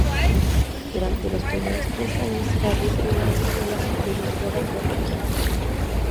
Durante los primeros tres años Harry escribió una novela, que fue ilustrada por Rose.